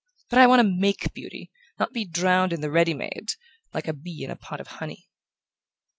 But I want to MAKE beauty, not be drowned in the ready made, like a bee in a pot of honey."